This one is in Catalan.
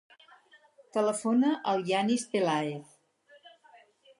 Telefona al Yanis Pelaez.